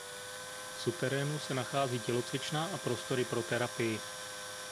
V suterénu se nachází tělocvična a prostory pro terapii.